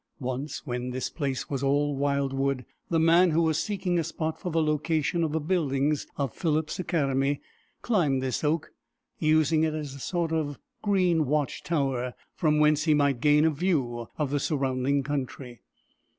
Once, when this place was all wildwood, the man who was seeking a spot for the location of the buildings of Phillips Academy climbed this oak, using it as a sort of green watch tower, from whence he might gain a view of the surrounding country.